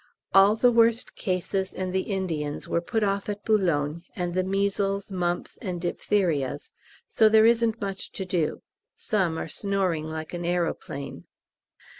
All the worst cases and the Indians were put off at B., and the measles, mumps, and diphtherias, so there isn't much to do; some are snoring like an aeroplane.